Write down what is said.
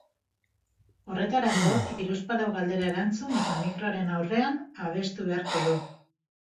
Horretarako, hiruzpalau galdera erantzun eta mikroaren aurrean abestu beharko du.